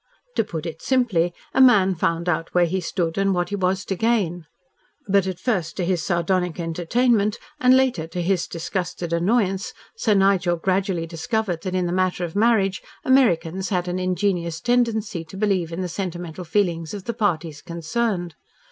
To put it simply, a man found out where he stood and what he was to gain. But, at first to his sardonic entertainment and later to his disgusted annoyance, Sir Nigel gradually discovered that in the matter of marriage, Americans had an ingenuous tendency to believe in the sentimental feelings of the parties concerned.